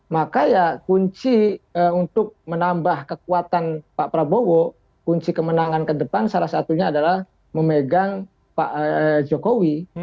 maka ya kunci untuk menambah kekuatan pak prabowo kunci kemenangan ke depan salah satunya adalah memegang pak jokowi